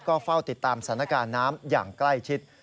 ก็เฝ้าติดตามสถานการณ์น้ำอย่างใกล้ชิด